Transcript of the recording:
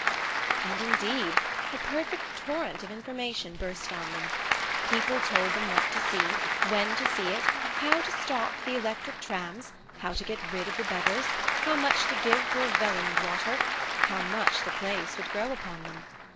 And, indeed, a perfect torrent of information burst on them. People told them what to see, when to see it, how to stop the electric trams, how to get rid of the beggars, how much to give for a vellum blotter, how much the place would grow upon them.